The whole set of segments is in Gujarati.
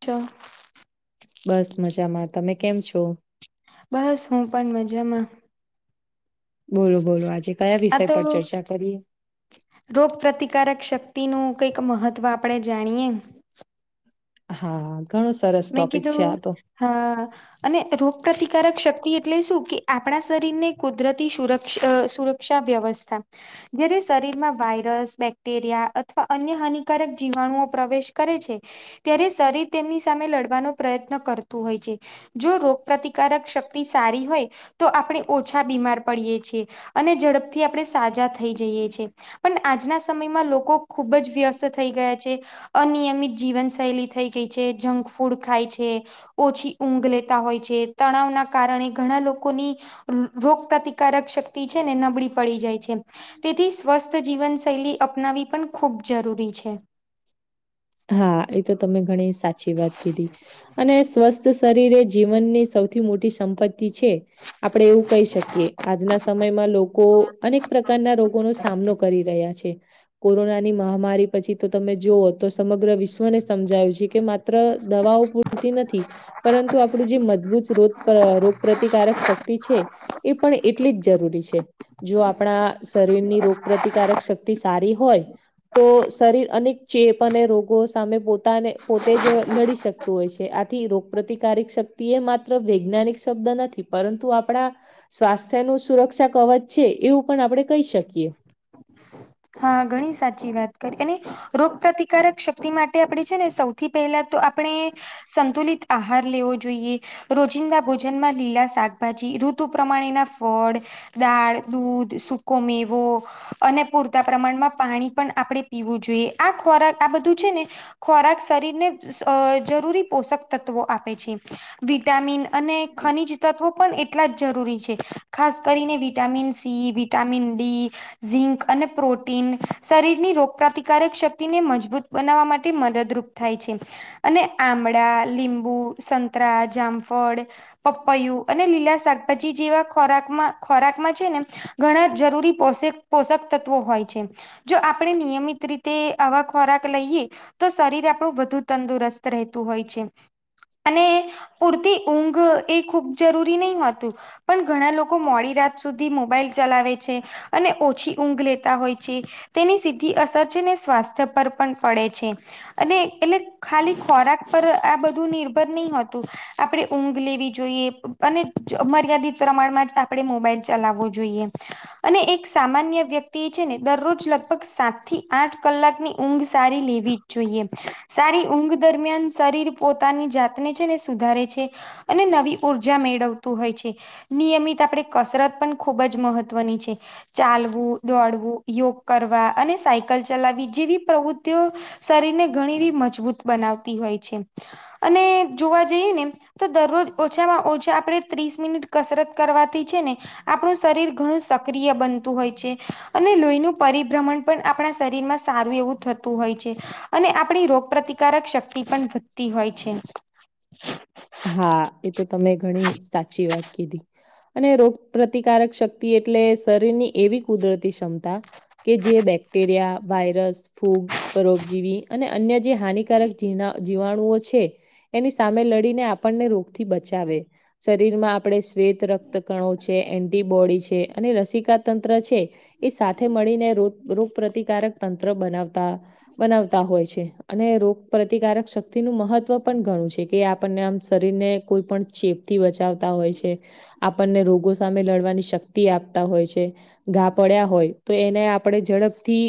ચલ. બસ મજામાં તમે કેમ છો? બસ હું પણ મજામાં. બોલો બોલો આજે કયા આ વિષય તો પર ચર્ચા કરીએ. રોગ પ્રતિકારક શક્તિનું કંઈક મહત્વ આપણે જાણીએ. હા. ધનુ સરસ. મે ટોપિક છે કીધું આ તો. હા અને રોગ પ્રતિકારક શક્તિ એટલે શું કે આપણા શરીરને કુદરતી સુરક્ષ અ સુરક ક્ષા વ્યવસ્થા જ્યારે શરીરમાં વાયરસ બેક્ટેરિયા અથવા અન્ય હાનિકારક જીવાણુઓ પ્રવેશ કરે છે. ત્યારે શરીર તેમની સામે લડવાનો પ્રયત્ન કરતું હોય છે. જો રોગ પ્રતિકારક શક્તિ સારી હોય તો આપણે ઓછા બીમાર પડીએ છીએ અને ઝડપથી આપણે સાજા થઈ જઈએ છે. પણ આજના સમયમાં લોકો ખુબ જ વ્યસ્ત થઈ ગયા છે. અનિયમિત જીવન શૈલી થઈ ગઈ છે જંક ફૂડ ખાય છે. ઓછી ઊંઘ લેતા હોય છે તણાવના કારણે ઘણા લોકોની રોગ પ્રતિકારક શક્તિ છે ને નબળી પડી જાય છે. તેથી સ્વસ્થ જીવન શૈલી અપનાવી પણ ખૂબ જરૂરી છે. હા એ તો તમે ઘણી સાચી વાત કીધી અને સ્વસ્થ શરીર એ જીવનની સૌથી મોટી સંપત્તિ છે. આપણેે એવું કહી શકીએ આજના સમયમાં લોકો અનેક પ્રકારના રોગોનો સામનો કરી રહ્યા છે. કોરોનાની મહામારી પછી તો તમે જુઓ તો સમગ્ર વિશ્વ [unintelligible] ને સમજાયું છે કે માત્ર દવાઓ પૂરતી નથી. પરંતુ આપણું જે મજબૂત રોગપ્ર અ રોગપ્રતિકારક શક્તિ છે એ પણ એટ એટલી જ જરૂરી છે જો આપણા શરીરની રોગ પ્રતિકારક શક્તિ તારી હોય તો શરીર અનેક ચેપ અને રોગો સામે પોતાને પોતે જ લડી શકતું હોય છે આથી રોગ પ્રતિકારક શક તે માત્ર વૈજ્ઞાનિક શબ્દ નથી. પરંતુ આપણા સ્વાસ્થ્યનુ સુરક્ષા કવચ છે એવું પણ આપણે કહી શકીએ. હા ધણી સાચી વાત કરી. અને રોગ પ્રતિકારક શક્તિ માટે આપણે છે ને સૌથી પહેલા તો આપણે સંતુલિત આહાર લેવો જોઈએ. રોજિંદા ભોજનમાં લીલા શાકભાજી, ઋતુ પ્રમાણેના ફળ. દાળ, દૂધ, સુકો મેવો અને પૂર તા પ્રમાણમાં પાણી પણ આપણે પીવું જોઈએ. આ ખોરાક આ બધું છે ને ખોરાક શરીરને અ જરૂરી પોષક તત્વો આપે છે. વિટામિન અને ખનીજ તત્વો પણ એટલા જ જરૂરી છે. ખાસ કરીને vitamin C, vitamin D, zinc. અને પ્રોટીન શરીરની રોગ પ્રતિકારક શક્તિને મજબૂત બનાવવા માટે મદદરૂપ થાય છે. અને આમળા, લીંબુ, સંતરા, જામફળ. પપૈયું અને લીલા શાકભાજી જેવા ખોરાકમાં ખોરાકમાં છે ને ઘણા જરૂરી પોષક પોષક તત્વો હોય છે. જો આપણે નિયમિત રીતે આવા ખોરાક લઈએ. તો શરીર આપણું વધુ તંદુરસ્ત રહેતું હોય છે. અને પૂરતી ઊંઘ એ ખૂબ જરૂરી નહીં હોતું. પણ ઘણા લોકો મોડી રાત સુધી મોબાઈલ ચલાવે છે. અને ઓછી ઊંઘ લેતા હોય છે. તેની સીધી અસર છે ને સ્વાસ્થ્ય પર પણ પડે છે. અને એટલે ખાલી ખોરાક પર આ બધું નિર્ભર ની હોતું. આપણે ઊંઘ લેવી જોઈએ. અને મર્યાદિત પ્રમાણમાં જ આપણે મોબાઈલ ચલાવવો જોઈએ. અને એક સામાન્ય વ્યક્તિ છે ને દરરોજ લગભગ સાત થી આઠ કલાકની ઊંઘ સારી લેવી જ જોઈએ. સારી ઊંઘ દરમિયાન શરીર પોતાની જાતને છે ને સુધારે છે. અને નવી ઉર્જા મેળવતું હોય છે. નિયમિત આપણે કસરત પણ ખુબ જ મહત્વની છે. ચાલવું દોડવું, યોગ કરવા અને સાઈ કલ ચલાવી. જેવી પ્રવૃતિઓ શરીરને ઘણી એવી મજબૂત બનાવતી હોય છે. અને જોવા જઈએ ને તો દરરોજ ઓછામાં ઓછા આપણે ત્રીસ મિનિટ કસરત કરવાથી છે ને આપણું શરીર ઘણું સક્રિય બનતું હોય છે. અને લોહીનું પરિભ્રમણ પણ આપણા શરીરમાં સારું એવું થતું હોય છે. અને આપણી રોગ પ્રતિકારક શક્તિ પણ વધતી હોય છે. હા એતો તમે ઘણી સાચી વાત કીધી. અને રોગ પ્રતિકારક શક્તિ એટલે શરીરની એવી કુદરતી ક્ષમતા કે જે બેક્ટેરિયા, વાયરસ ફૂગ, પરોપજીવી અને અન્ય જે હાનિકારક જીના જીવાણુઓ છે. એની સામે લડીને આપણને રોગથી બચાવે. શરીરમાં આપણે શ્વેત રક્તકણો છે, એન્ટીબોડી છે અને રસીકાતંત્ર છે. એ સાથે મળીને રોગ રોગપ્રતિકારક તંત્ર બનાવતા. બનાવતા હોય છે. અને રોગ પ્રતિકારક શક્તિનું મહત્વ પણ ઘણું છે. કે આ આપણને આમ શરીરને કોઈ પણ ચેપથી બચાવતા હોય છે. આપણને રોગો સામે લડવાની શક્તિ આપતા હોય છે. ઘા પડ્યા હોય તો એને આપણે ઝડપથી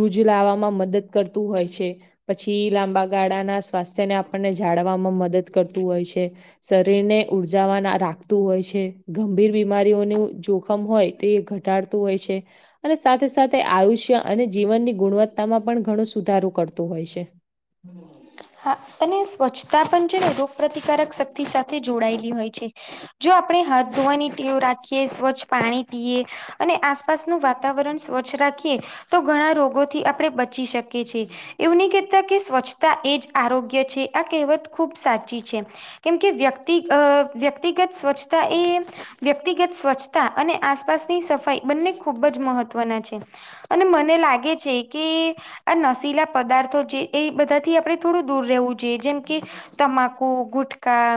રૂજ લાવવામાં મદદ કરતું હોય છે. પછી લાંબા ગાળાના સ્વાસ્થ્ય ને આપણને જાળવામાં મદદ કરતું હોય છે. શરીરને ઉર્જાવાન રાખતું હોય છે ગંભીર બીમારીઓનું જો ખમ હોય ત એ ઘટાડતું હોય છે અને સાથે સાથે આયુષ્ય અને જીવનની ગુણવત તામાં પણ ઘણો સુધારો કરતું હોય છે. [inaudible] હા અને સ્વચ્છતા પણ છે ને રોગ પ્રતિકારક શક્તિ સાથે જોડાયેલી હોય છે. જો આપણે હાથ ધોવાની ટેવ રાખીએ સ્વચ્છ પાણી પીએ અને આસપાસનું વાતાવરણ સ્વચ્છ રાખીએ તો ઘણા રોગોથી આપણે બચી શકીએ છીએ એવુ ની કેતા કે સ્વચ્છતા એ જ આરોગ્ય છે આ કહેવત ખુબ સાચી છે. કેમ કે વ્યક્તિ અ વ્યક્તિગત સ્વચ્છતા એ વ્યક્તિગત સ્વચ્છતા અને આસપાસની સફાઈ બંને ખૂબ જ મહત્વના છે. અને મને લાગે છે કે આ નશીલા પદાર્થો જે એ બધાથી આપણે થોડું દૂર રહેવું જોઈએ જેમ કે તમાકુ ગુટકા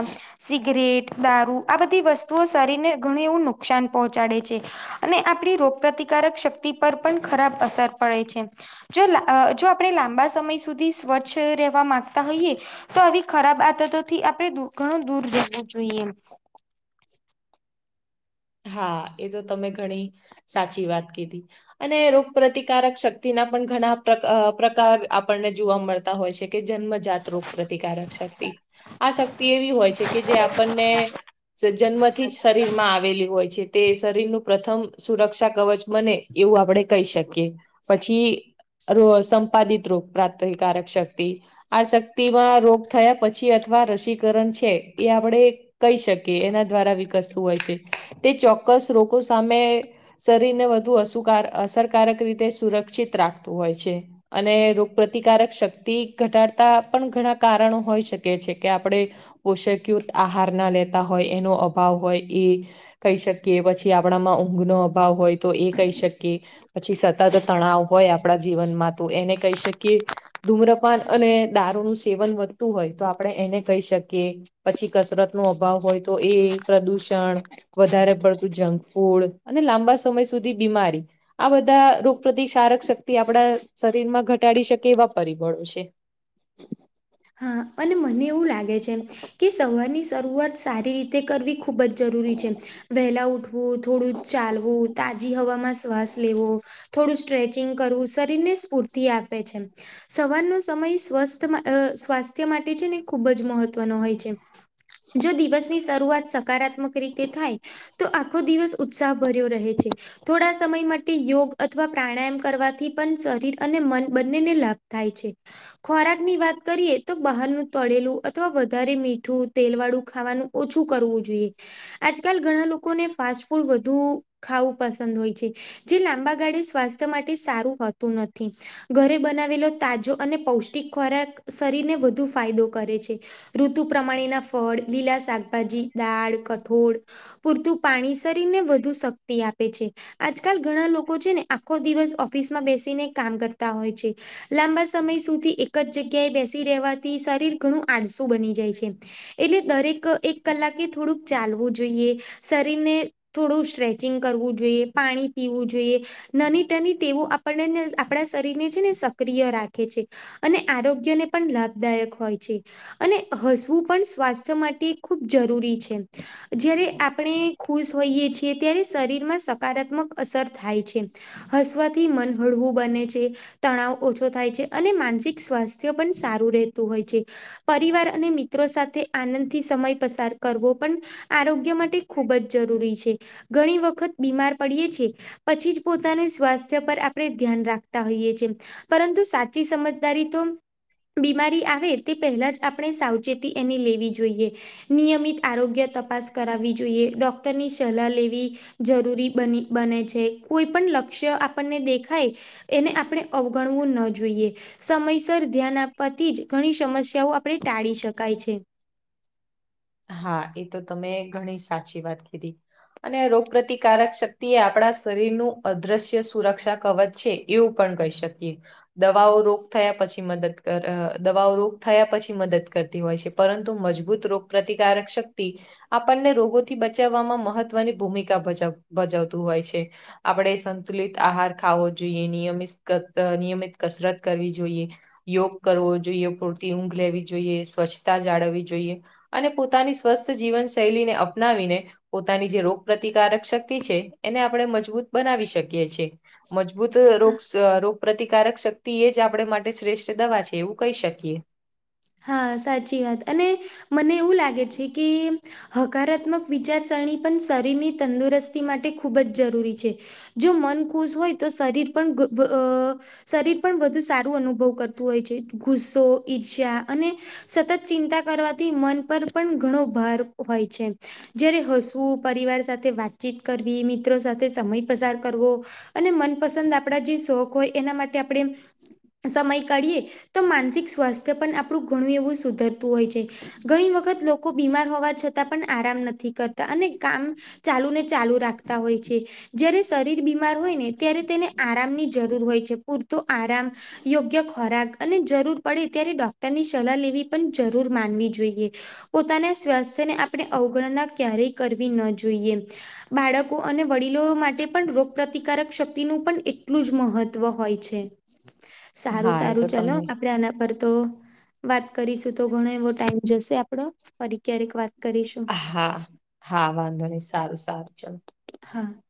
સિગરેટ દારૂ આ બધી વસ્તુઓ શરીરને ઘણું એવું નુકસાન પહોંચાડે છે. અને આપણી રોગ પ્રતિકારક શક્તિ પર પણ ખરાબ અસર પડે છે. જો જો આપણે લાંબા સમય સુધી સ્વચ્છ રહેવા માંગતા હોઈએ તો આવી ખરાબ આદતોથી આપણે દૂર ઘણું દૂર રહેવું જોઈએ હા એ તો તમે ઘણી સાચી વાત કીધી અને રોગ પ્રતિકારક શક્તિ ના પણ ઘણા પ્ર પ્રકાર આપણને જોવા મળતા હોય છે. કે જન્મ જાત રોગ પ્રતિકારક શક્તિ આ શક્તિ એવી હોય છે કે જે આપણને જન્મથી જ શરીરમાં આવેલી હોય છે તે શરીરનું પ્રથમ સુરક્ષા કવચ બને એવું આપણે કહી શકીએ પછી સંપાદિત રોગ પ્રાતિકારક શક્તિ આ શક્તિમાં રોગ થયા પછી અથવા રસીકરણ છે. એ આપણે કહી શકીએ એના દ્વારા વિકસતું હોય છે. તે ચોક્કસ રોગો સામે શરીરને વધુ અશુ કાર અસરકારક રીતે સુરક્ષિત રાખતું હોય છે. અને રોગ પ્રતિકારક શક્તિ ઘટાડતા પણ ઘણા કારણો હોઈ શકે છે. કે આપણે પોષણ યુક્ત આહાર ના લેતા હોય એનો અભાવ હોય એ કહી શકીએ. પછી આપણામાં ઊંઘનો અભાવ હોય તો એ કહી શકીએ. પછી સતત તણાવ હોય આપણા જીવનમાં તો એને કહી શકીએ ધૂમ્રપાન અને દારૂનું સેવન વધતું હોય તો આપણે એને કહી શકીએ પછી કસરતનો અભાવ હોય તો એ પ્રદુષણ વધારે પડતું જંક ફૂડ. અને લાંબા સમય સુધી બીમારી. આ બધા રોગ પ્રતિકારક શક્તિ આપણા શરીરમાં ઘટાડી શકીએ એવા પરિબળો છે. હા અને મને એવું લાગે છે કે સવારની શરૂઆત સારી રીતે કરવી ખૂબ જ જરૂરી છે. વહેલા ઉઠ વુ થોડું ચાલવું તાજી હવામાં શ્વાસ લેવો થોડું સ્ટ્રેચિંગ કરવું શરીરને સ્ફૂર્તિ આપે છે. સવારનો સમય સ્વસ્થમાં અ સ્વાસ્થ્ય માટે છે ને ખુબ જ મહત્વનો હોય છે. જો દિવસની શરૂઆત સકારા માં ક્રીકે થાય તો આખો દિવસ ઉત્સાહ ભર્યો રહે છે. થોડા સમય માટે યોગ અથવા પ્રાણાયામ કરવાથી પણ શરીર અને મન બંનેને લાભ થાય છે. ખોરાકની વાત કરીએ. તો બહારનું તળેલું અથવા વધારે મીઠું તેલ વાળું ખાવાનું ઓછું કરવું જોઈએ. આજકાલ ઘણા લોકોને ફાસ્ટ ફૂડ વધુ ખાવું પસંદ હોય છે. જે લાંબા ગાળે સ્વાસ્થ્ય માટે સારું હોતું નથી. ઘરે બનાવેલો તાજો અને પૌષ્ટિક ખોરાક શરીરને વધુ ફાયદો કરે છે. ઋતુ પ્રમાણેના ફળ, લીલા શાકભાજી, દાળ, કઠોળ પૂરતું પાણી શરીરને વધુ શક્તિ આપે છે. આજકાલ ઘણા લોકો છે, ને આખો દિવસ ઓફિસમાં બેસીને કામ કરતા હોય છે. લાંબા સમય સુધી એક જ જગ્યાએ બેસી રહેવાથી શરીર ઘણું આળસું બની જાય છે. એટલે દરેક એક કલાકે થોડુંક ચાલવું જોઈએ. શરીરને થોડું સ્ટ્રેચિંગ કરવું જોઈએ. પાણી પીવું જોઈએ. નાની ટની ટેવો આપણને આપણા શરીરને છે, ને સક્રિય રાખે છે. અને આરોગ્યને પણ લાભદાયક હોય છે. અને હસવું પણ સ્વાસ માટે ખૂબ જરૂરી છે. જ્યારે આપણે ખુશ હોઈએ છીએ ત્યારે શરીરમાં સકારાત્મક અસર થાય છે. હસવાથી મન હળવું બને છે. તણાવ ઓછો થાય છે. અને માનસિક સ્વાસ્થ્ય પણ સારું રહેતું હોય છે. પરિવાર અને મિત્રો સાથે આનંદથી સમય પસાર કરવો પન આરોગ્ય માટે ખૂબ જ જરૂરી છે. ઘણી વખત બીમાર પડીએ છે. પછી જ પોતાના સ્વાસ્થ્ય પર આપણે ધ્યાન રાખતા હોઈએ છેમ પરંતુ સાચી સમજદારી તો બીમારી આ વે તે પહેલા જ આપણે સાવચેતી એની લેવી જોઈએ. નિયમિત આરોગ્ય તપાસ કરાવવી જોઈએ. ડૉક્ટરની સલાહ લેવી જરૂરી બની બને છે. કોઈ પણ લક્ષ્ય આપણને દેખાય એને આપણે અવગણવું ન જોઈએ. સમયસર ધ્યાન આ પતી જ ઘણી સમસ્યાઓ આપણે ટાળી શકાય છે. હા એ તો તમે ઘણી સાચી વાત કીધી. અને રોગ પ્રતિકારક શક્તિ એ આપણા શરીરનું અદ્રશ્ય સુરક્ષા કવચ છે. એવું પણ કહી શકીએ. દવાઓ રોગ થયા પછી મદદ કર અ દવાઓ રોગ થયા પછી મદદ કરતી હોય છે. પરંતુ મજબૂત રોગ પ્રતિકારક શક્તિ આપણને રોગોથી બચાવવામાં મહત્વની ભૂમિકા ભજ ભજવતું હોય છે. આપણે સંતુલિત આહાર ખાવો જોઈએ નિયમિત અ નિયમિત કસરત કરવી જોઈએ. યોગ કરવો જોઈએ, પૂરતી ઊંઘ લેવી જોઈએ, સ્વચ્છતા જાળવવી જોઈએ. અને પોતાની સ્વસ્થ જીવન શૈલીને અપનાવીને પોતાની જે રોગ પ્રતિકારક શક્તિ છે, એને આપણે મજબૂત બનાવી શકીએ છે. મજબૂત હા રોગ શ રો પ્રતિકારક શક્તિ એ જ આપણે માટે શ્રેષ્ઠ દવા છે, એવું કહી શકીએ. હા, સાચી વાત અને મને એવું લાગે છે, કે હકારાત્મક વિચારસરણી પણ શરીરની તંદુરસ્તી માટે ખૂબ જ જરૂરી છે. જો મન ખુશ હોય તો શરીર પણ ઘ અ શરીર પણ વધુ સારું અનુભવ કરતું હોય છે. ગુસ્સો, ઈર્ષ્યા અને સતત ચિંતા કરવાથી મન પર પણ ઘણો ભાર હોય છે. જયારે હસવું, પરિવાર સાથે વાતચીત કરવી, મિત્રો સાથે સમય પસાર કરવો અને મનપસંદ આપણા જે શોખ હોય એના માટે આપણે સમય કાઢીએ તો માનસિક સ્વાસ્થ્ય પણ આપ ડું ઘણું એવું સુધરતું હોય છે. ઘણી વખત લો કો બીમાર હોવા છતાં પણ આરામ નથી કરતા અને કામ કામ ચાલુ ને ચાલુ રાખતા હોય છે જ્યારે શરીર બીમાર હોય ને ત્યારે તેને આરામની જરૂર હોય છે. પૂરતો આરામ, યોગ્ય ખોરાક અને જરૂર પડે ત્યારે ડોક ટરની સલાહ લેવી પણ જરૂર માનવી જોઈએ. પોતાને સ્વાસ્થ્યને આપણે અવગણના ક્યારેય કરવી ન જોઈએ. બાળકો અને વડીલો માટે પણ રોગ પ્રતિકારક શક્તિનું પણ એટલું જ મહત્વ હોય છે. સારું, હા એ તો સારું ચાલો તમે આપડે આના પર તો વાત કરીશું તો ઘણો એવો ટાઈમ જશે આપડ ફરી ક્યારેક વાત કરીશું. હા, હા વાંધો નહી. સારું, સારું ચલો. હા.